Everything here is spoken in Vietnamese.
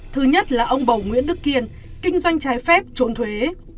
thứ nhất là ông bầu nguyễn đức kiên kinh doanh trái phép trốn thuế